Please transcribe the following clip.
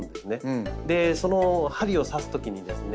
その針を刺すときにですね